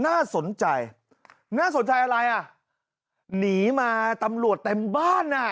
น่าสนใจน่าสนใจอะไรอ่ะหนีมาตำรวจเต็มบ้านอ่ะ